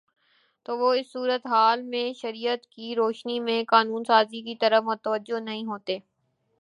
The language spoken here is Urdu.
تو وہ اس صورتِ حال میں شریعت کی روشنی میں قانون سازی کی طرف متوجہ نہیں ہوتے